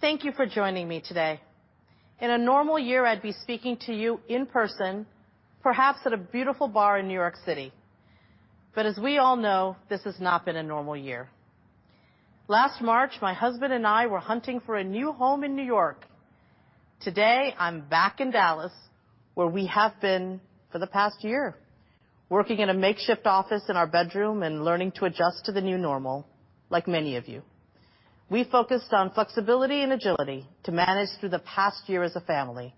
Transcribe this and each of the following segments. Thank you for joining me today. In a normal year, I'd be speaking to you in person, perhaps at a beautiful bar in New York City. As we all know, this has not been a normal year. Last March, my husband and I were hunting for a new home in New York. Today, I'm back in Dallas, where we have been for the past year, working in a makeshift office in our bedroom and learning to adjust to the new normal, like many of you. We focused on flexibility and agility to manage through the past year as a family,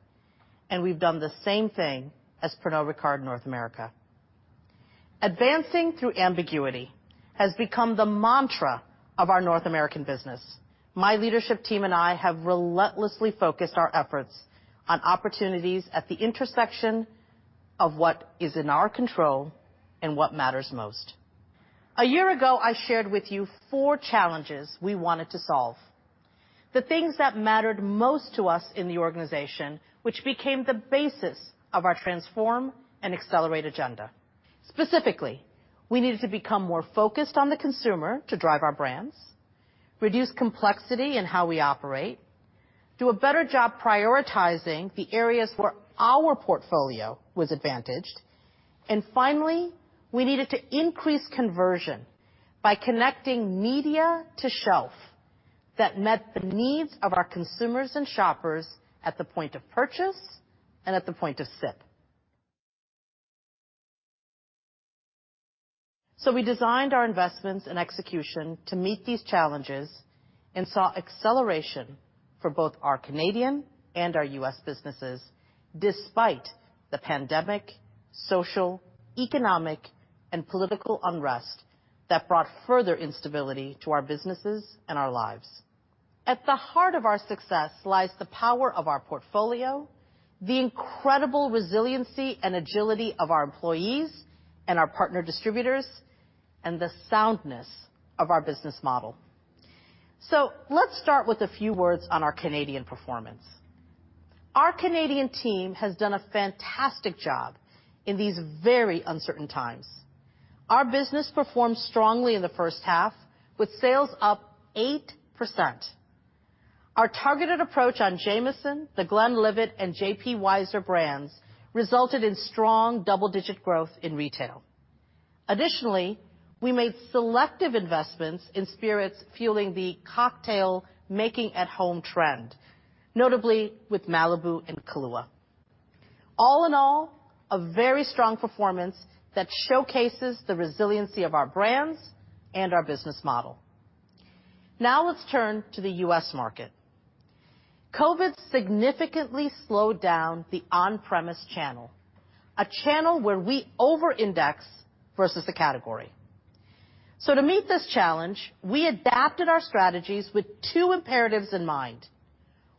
and we've done the same thing as Pernod Ricard North America. Advancing through ambiguity has become the mantra of our North American business. My leadership team and I have relentlessly focused our efforts on opportunities at the intersection of what is in our control and what matters most. A year ago, I shared with you four challenges we wanted to solve, the things that mattered most to us in the organization, which became the basis of our transform and accelerate agenda. Specifically, we needed to become more focused on the consumer to drive our brands, reduce complexity in how we operate, do a better job prioritizing the areas where our portfolio was advantaged, and finally, we needed to increase conversion by connecting media to shelf that met the needs of our consumers and shoppers at the point of purchase and at the point of sip. We designed our investments and execution to meet these challenges and saw acceleration for both our Canadian and our U.S. businesses, despite the pandemic, social, economic, and political unrest that brought further instability to our businesses and our lives. At the heart of our success lies the power of our portfolio, the incredible resiliency and agility of our employees and our partner distributors, and the soundness of our business model. Let's start with a few words on our Canadian performance. Our Canadian team has done a fantastic job in these very uncertain times. Our business performed strongly in the first half with sales up 8%. Our targeted approach on Jameson, The Glenlivet, and J.P. Wiser's brands resulted in strong double-digit growth in retail. Additionally, we made selective investments in spirits, fuelling the cocktail making at-home trend, notably with Malibu and Kahlúa. All in all, a very strong performance that showcases the resiliency of our brands and our business model. Let's turn to the U.S. market. COVID significantly slowed down the on-premise channel, a channel where we over-index versus the category. To meet this challenge, we adapted our strategies with two imperatives in mind: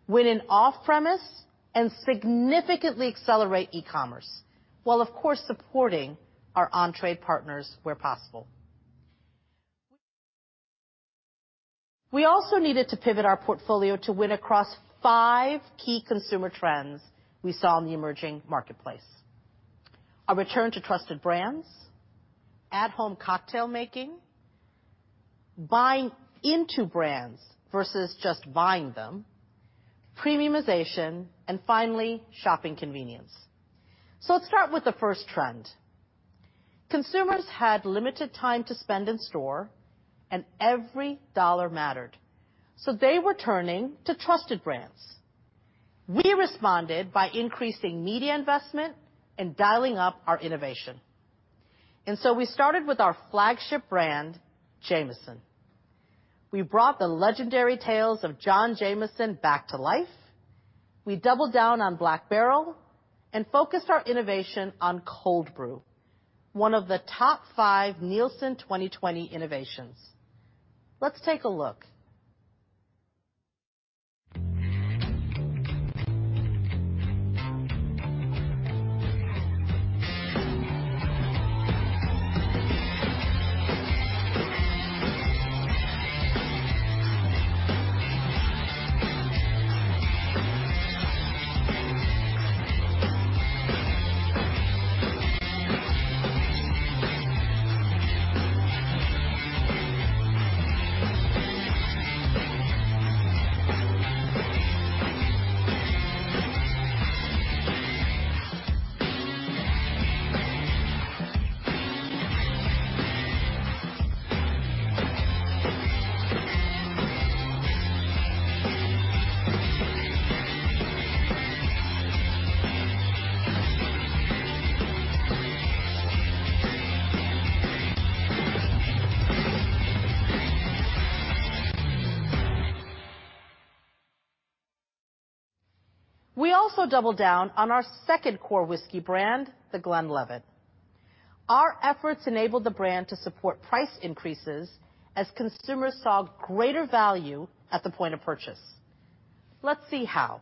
win in off-premise and significantly accelerate e-commerce, while of course, supporting our on-trade partners where possible. We also needed to pivot our portfolio to win across five key consumer trends we saw in the emerging marketplace. A return to trusted brands, at-home cocktail making, buying into brands versus just buying them, premiumization, and finally, shopping convenience. Let's start with the first trend. Consumers had limited time to spend in store and every dollar mattered, so they were turning to trusted brands. We responded by increasing media investment and dialing up our innovation. We started with our flagship brand, Jameson. We brought the legendary tales of John Jameson back to life. We doubled down on Black Barrel and focused our innovation on Cold Brew, one of the top five Nielsen 2020 innovations. Let's take a look. We also doubled down on our second core whisky brand, The Glenlivet. Our efforts enabled the brand to support price increases as consumers saw greater value at the point of purchase. Let's see how.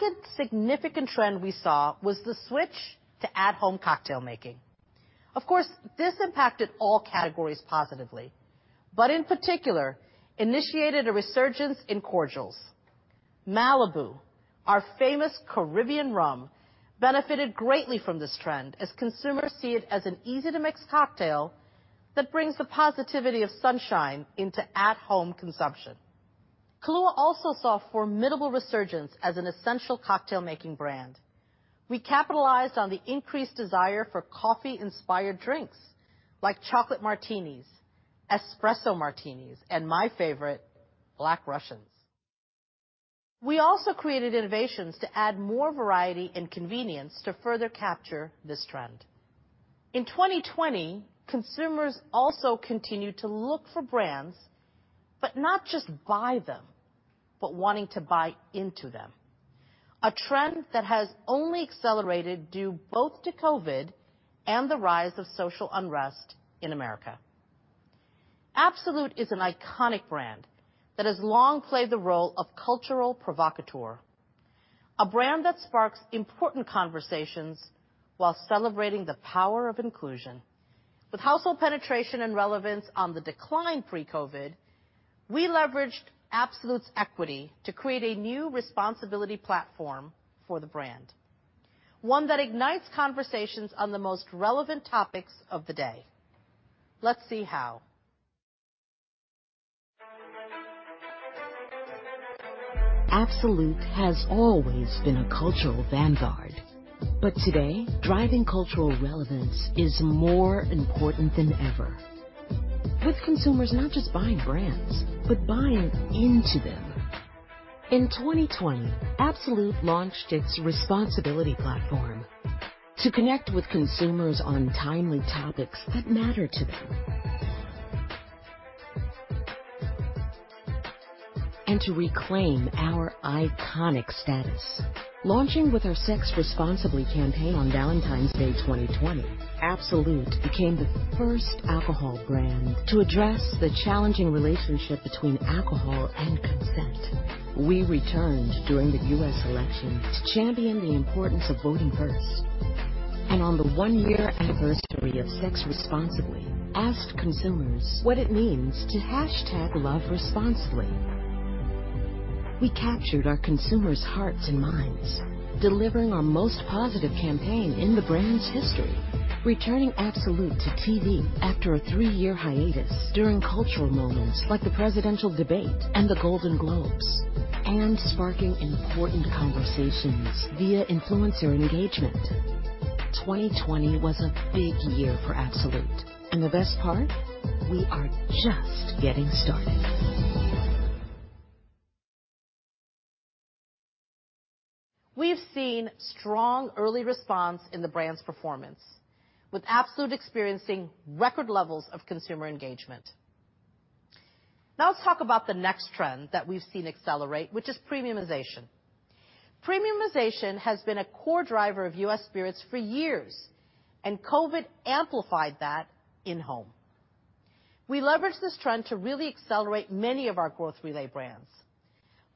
The second significant trend we saw was the switch to at-home cocktail making. Of course, this impacted all categories positively, but in particular, initiated a resurgence in cordials. Malibu, our famous Caribbean rum, benefited greatly from this trend as consumers see it as an easy-to-mix cocktail that brings the positivity of sunshine into at-home consumption. Kahlúa also saw formidable resurgence as an essential cocktail-making brand. We capitalized on the increased desire for coffee-inspired drinks like chocolate martinis, espresso martinis, and my favorite, Black Russians. We also created innovations to add more variety and convenience to further capture this trend. In 2020, consumers also continued to look for brands, but not just buy them, but wanting to buy into them. A trend that has only accelerated due both to COVID and the rise of social unrest in America. Absolut is an iconic brand that has long played the role of cultural provocateur. A brand that sparks important conversations while celebrating the power of inclusion. With household penetration and relevance on the decline pre-COVID, we leveraged Absolut's equity to create a new responsibility platform for the brand, one that ignites conversations on the most relevant topics of the day. Let's see how. Absolut has always been a cultural vanguard, but today, driving cultural relevance is more important than ever. With consumers not just buying brands, but buying into them. In 2020, Absolut launched its responsibility platform to connect with consumers on timely topics that matter to them, and to reclaim our iconic status. Launching with our #SexResponsibly campaign on Valentine's Day 2020, Absolut Vodka became the first alcohol brand to address the challenging relationship between alcohol and consent. We returned during the U.S. election to champion the importance of voting first, and on the one-year anniversary of Sex Responsibly, asked consumers what it means to #LoveResponsibly. We captured our consumers' hearts and minds, delivering our most positive campaign in the brand's history, returning Absolut to TV after a three-year hiatus during cultural moments like the presidential debate and the Golden Globes, and sparking important conversations via influencer engagement. 2020 was a big year for Absolut, and the best part? We are just getting started. We've seen strong early response in the brand's performance, with Absolut experiencing record levels of consumer engagement. Now let's talk about the next trend that we've seen accelerate, which is premiumization. Premiumization has been a core driver of U.S. spirits for years, and COVID amplified that in-home. We leveraged this trend to really accelerate many of our growth-related brands.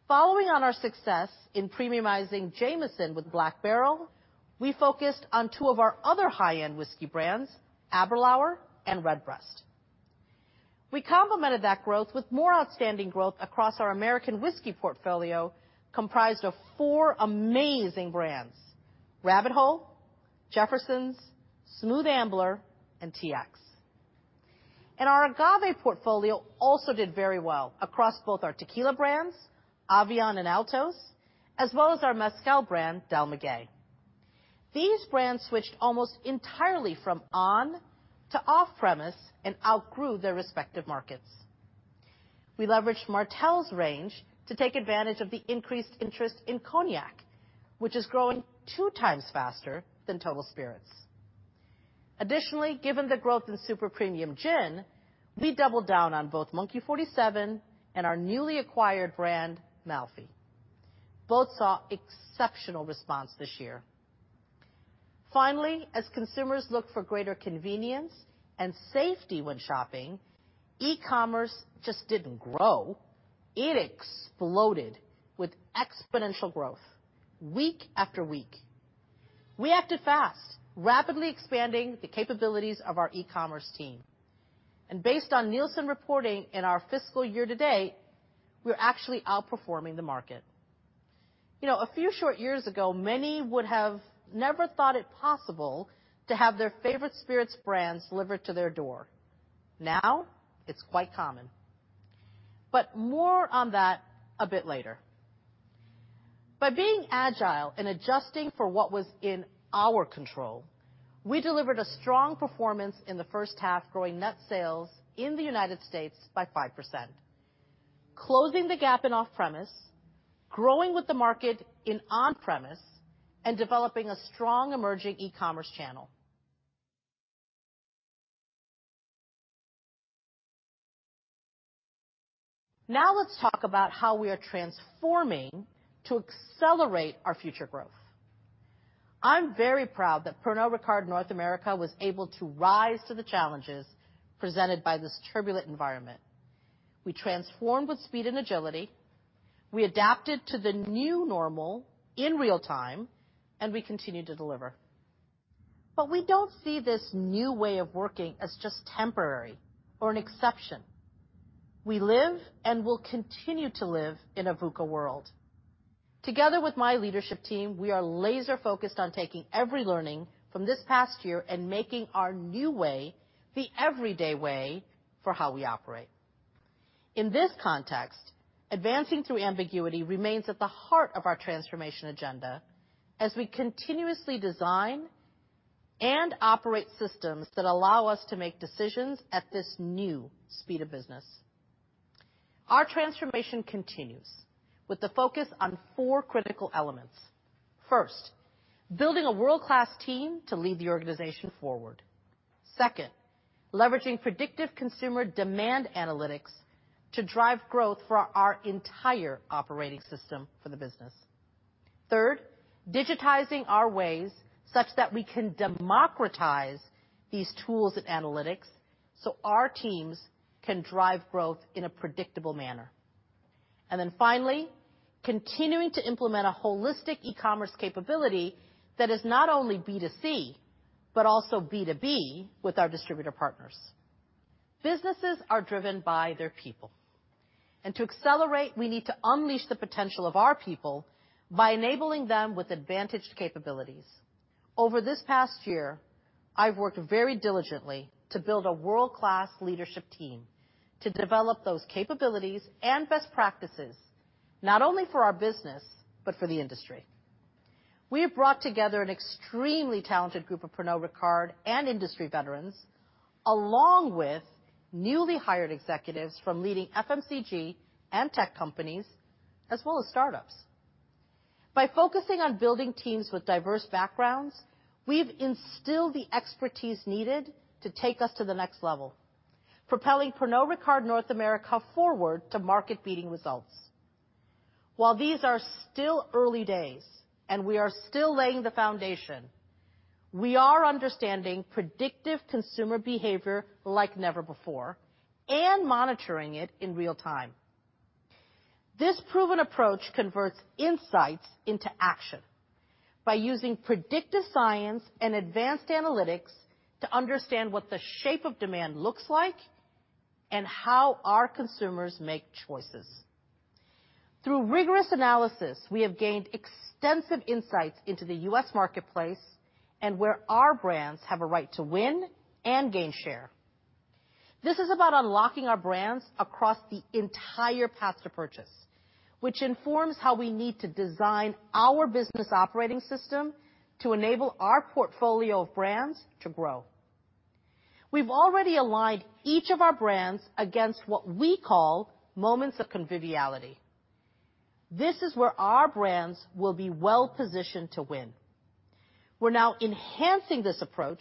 Following on our success in premiumizing Jameson with Black Barrel, we focused on two of our other high-end whiskey brands, Aberlour and Redbreast. We complemented that growth with more outstanding growth across our American whiskey portfolio, comprised of four amazing brands, Rabbit Hole, Jefferson's, Smooth Ambler, and TX Whiskey. Our agave portfolio also did very well across both our tequila brands, Tequila Avión and Olmeca Altos, as well as our Mezcal brand, Del Maguey Single Village Mezcal. These brands switched almost entirely from on to off premise and outgrew their respective markets. We leveraged Martell's range to take advantage of the increased interest in cognac, which is growing two times faster than total spirits. Additionally, given the growth in super premium gin, we doubled down on both Monkey 47 and our newly acquired brand, Malfy Gin. Both saw exceptional response this year. Finally, as consumers look for greater convenience and safety when shopping, e-commerce just didn't grow. It exploded with exponential growth week after week. We acted fast, rapidly expanding the capabilities of our e-commerce team. Based on Nielsen reporting in our fiscal year to date, we're actually outperforming the market. A few short years ago, many would have never thought it possible to have their favorite spirits brands delivered to their door. Now, it's quite common. More on that a bit later. By being agile and adjusting for what was in our control, we delivered a strong performance in the first half, growing net sales in the U.S. by 5%, closing the gap in off-premise, growing with the market in on-premise, and developing a strong emerging e-commerce channel. Let's talk about how we are transforming to accelerate our future growth. I'm very proud that Pernod Ricard North America was able to rise to the challenges presented by this turbulent environment. We transformed with speed and agility, we adapted to the new normal in real time, we continued to deliver. We don't see this new way of working as just temporary or an exception. We live and will continue to live in a VUCA world. Together with my leadership team, we are laser focused on taking every learning from this past year and making our new way the everyday way for how we operate. In this context, advancing through ambiguity remains at the heart of our transformation agenda as we continuously design and operate systems that allow us to make decisions at this new speed of business. Our transformation continues with the focus on four critical elements. First, building a world-class team to lead the organization forward. Second, leveraging predictive consumer demand analytics to drive growth for our entire operating system for the business. Third, digitizing our ways such that we can democratize these tools and analytics so our teams can drive growth in a predictable manner. Finally, continuing to implement a holistic e-commerce capability that is not only B2C, but also B2B with our distributor partners. Businesses are driven by their people. To accelerate, we need to unleash the potential of our people by enabling them with advantaged capabilities. Over this past year, I've worked very diligently to build a world-class leadership team to develop those capabilities and best practices, not only for our business, but for the industry. We have brought together an extremely talented group of Pernod Ricard and industry veterans, along with newly hired executives from leading FMCG and Tech companies, as well as startups. By focusing on building teams with diverse backgrounds, we've instilled the expertise needed to take us to the next level, propelling Pernod Ricard North America forward to market-beating results. While these are still early days and we are still laying the foundation, we are understanding predictive consumer behavior like never before and monitoring it in real time. This proven approach converts insights into action by using predictive science and advanced analytics to understand what the shape of demand looks like and how our consumers make choices. Through rigorous analysis, we have gained extensive insights into the U.S. marketplace and where our brands have a right to win and gain share. This is about unlocking our brands across the entire path to purchase, which informs how we need to design our business operating system to enable our portfolio of brands to grow. We've already aligned each of our brands against what we call moments of conviviality. This is where our brands will be well-positioned to win. We're now enhancing this approach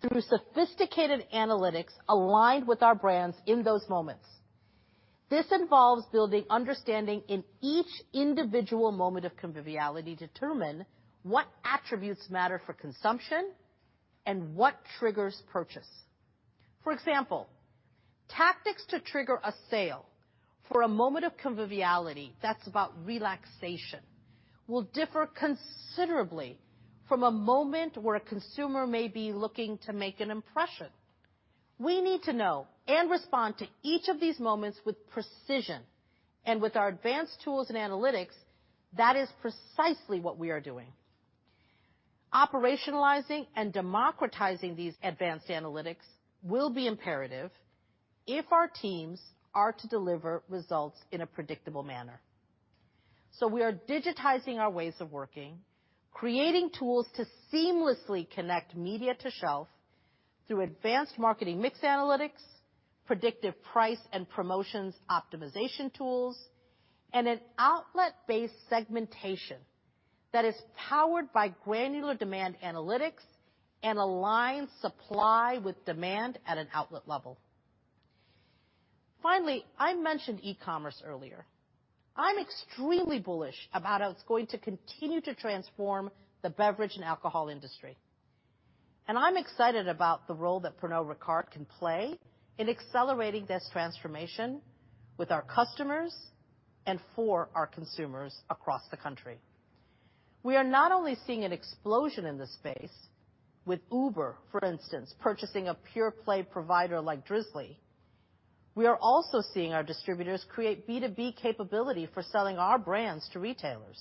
through sophisticated analytics aligned with our brands in those moments. This involves building understanding in each individual moment of conviviality to determine what attributes matter for consumption and what triggers purchase. For example, tactics to trigger a sale for a moment of conviviality that's about relaxation will differ considerably from a moment where a consumer may be looking to make an impression. We need to know and respond to each of these moments with precision, and with our advanced tools and analytics, that is precisely what we are doing. Operationalizing and democratizing these advanced analytics will be imperative if our teams are to deliver results in a predictable manner. We are digitizing our ways of working, creating tools to seamlessly connect media to shelf through advanced marketing mix analytics, predictive price and promotions optimization tools, and an outlet-based segmentation that is powered by granular demand analytics and aligns supply with demand at an outlet level. Finally, I mentioned e-commerce earlier. I'm extremely bullish about how it's going to continue to transform the beverage and alcohol industry. I'm excited about the role that Pernod Ricard can play in accelerating this transformation with our customers and for our consumers across the country. We are not only seeing an explosion in this space with Uber, for instance, purchasing a pure play provider like Drizly. We are also seeing our distributors create B2B capability for selling our brands to retailers.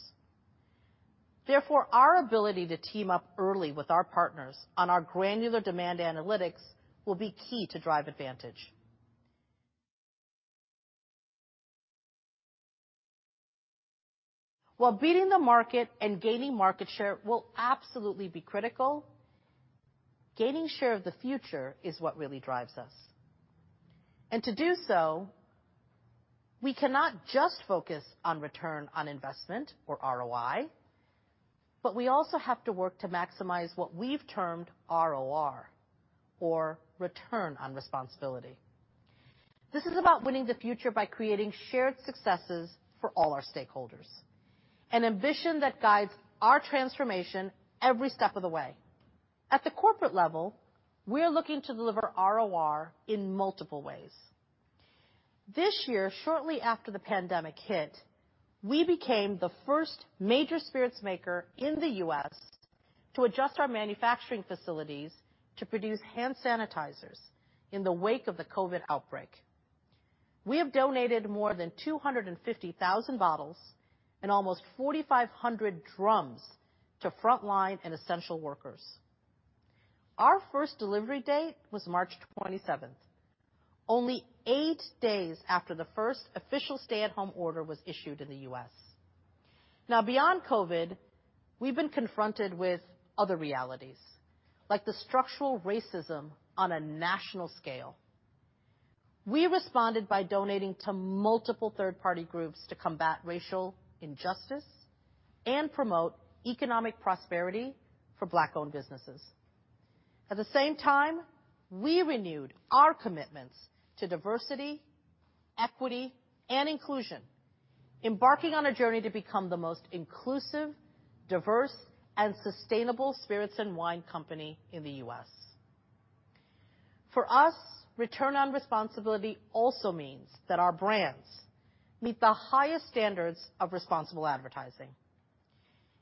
Therefore, our ability to team up early with our partners on our granular demand analytics will be key to drive advantage. While beating the market and gaining market share will absolutely be critical, gaining share of the future is what really drives us. To do so, we cannot just focus on return on investment, or ROI, but we also have to work to maximize what we've termed ROR, or return on responsibility. This is about winning the future by creating shared successes for all our stakeholders, an ambition that guides our transformation every step of the way. At the corporate level, we are looking to deliver ROR in multiple ways. This year, shortly after the pandemic hit, we became the first major spirits maker in the U.S. to adjust our manufacturing facilities to produce hand sanitizers in the wake of the COVID outbreak. We have donated more than 250,000 bottles and almost 4,500 drums to frontline and essential workers. Our first delivery date was March 27th, only eight days after the first official stay-at-home order was issued in the U.S. Now, beyond COVID, we've been confronted with other realities, like the structural racism on a national scale. We responded by donating to multiple third-party groups to combat racial injustice and promote economic prosperity for Black-owned businesses. At the same time, we renewed our commitments to diversity, equity, and inclusion, embarking on a journey to become the most inclusive, diverse, and sustainable spirits and wine company in the U.S. For us, return on responsibility also means that our brands meet the highest standards of responsible advertising.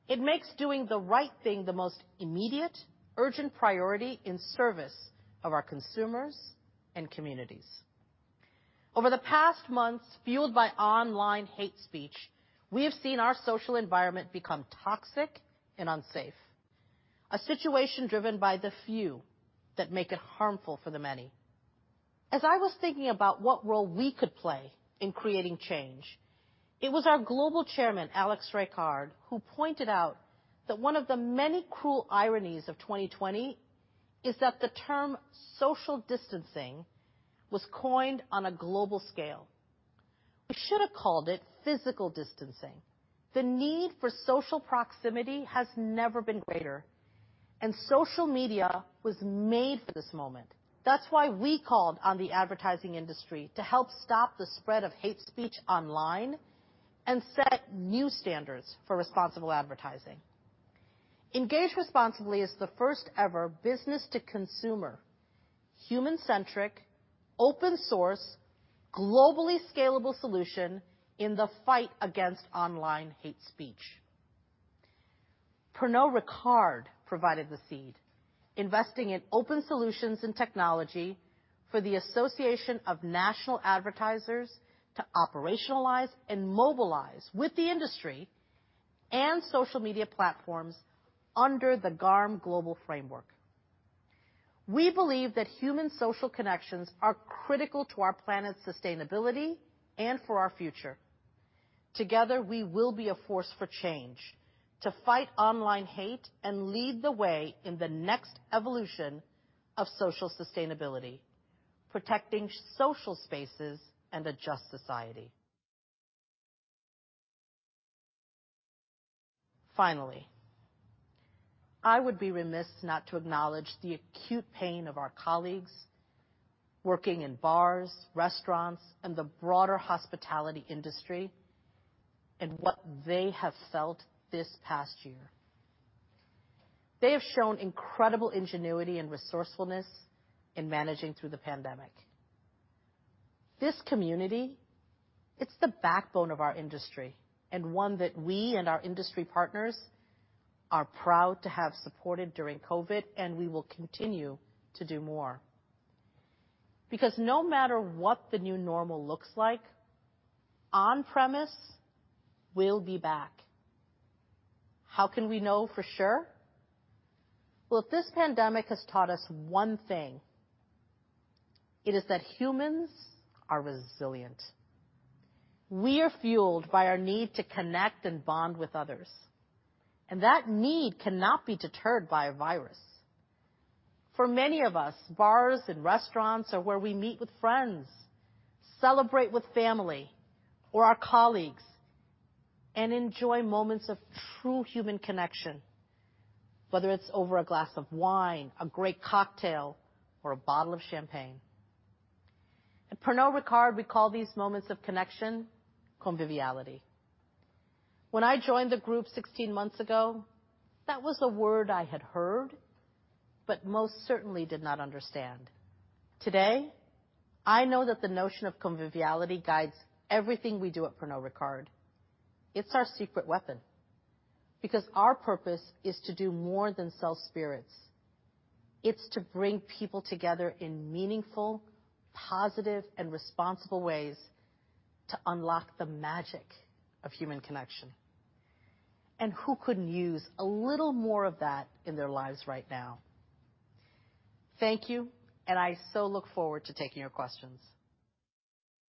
It makes doing the right thing the most immediate, urgent priority in service of our consumers and communities. Over the past months, fueled by online hate speech, we have seen our social environment become toxic and unsafe, a situation driven by the few that make it harmful for the many. As I was thinking about what role we could play in creating change, it was our Global Chairman, Alexandre Ricard, who pointed out that one of the many cruel ironies of 2020 is that the term social distancing was coined on a global scale. We should have called it physical distancing. The need for social proximity has never been greater, and social media was made for this moment. That's why we called on the advertising industry to help stop the spread of hate speech online and set new standards for responsible advertising. Engage Responsibly is the first-ever business-to-consumer, human-centric, open source, globally scalable solution in the fight against online hate speech. Pernod Ricard provided the seed, investing in open solutions and technology for the Association of National Advertisers to operationalize and mobilize with the industry and social media platforms under the GARM Global Framework. We believe that human social connections are critical to our planet's sustainability and for our future. Together, we will be a force for change to fight online hate and lead the way in the next evolution of social sustainability, protecting social spaces and a just society. Finally, I would be remiss not to acknowledge the acute pain of our colleagues working in bars, restaurants, and the broader hospitality industry, and what they have felt this past year. They have shown incredible ingenuity and resourcefulness in managing through the pandemic. This community, it's the backbone of our industry, and one that we and our industry partners are proud to have supported during COVID. We will continue to do more. No matter what the new normal looks like, on-premise will be back. How can we know for sure? Well, if this pandemic has taught us one thing, it is that humans are resilient. We are fueled by our need to connect and bond with others. That need cannot be deterred by a virus. For many of us, bars and restaurants are where we meet with friends, celebrate with family or our colleagues, and enjoy moments of true human connection, whether it's over a glass of wine, a great cocktail, or a bottle of champagne. At Pernod Ricard, we call these moments of connection conviviality. When I joined the group 16 months ago, that was a word I had heard, but most certainly did not understand. Today, I know that the notion of conviviality guides everything we do at Pernod Ricard. It's our secret weapon, because our purpose is to do more than sell spirits. It's to bring people together in meaningful, positive, and responsible ways to unlock the magic of human connection. Who couldn't use a little more of that in their lives right now? Thank you, and I so look forward to taking your questions.